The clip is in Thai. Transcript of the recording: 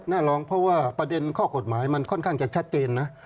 น่าร้องเพราะว่าประเด็นข้อกฎหมายมันค่อนข้างจะชัดเจนนะ